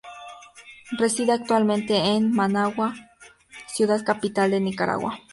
Reside actualmente en Managua, ciudad capital de Nicaragua.